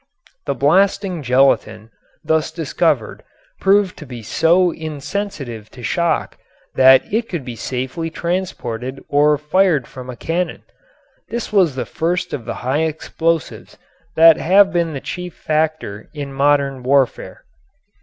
The "blasting gelatin" thus discovered proved to be so insensitive to shock that it could be safely transported or fired from a cannon. This was the first of the high explosives that have been the chief factor in modern warfare.